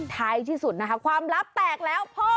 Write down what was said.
ท้ายที่สุดนะคะความลับแตกแล้วพ่อ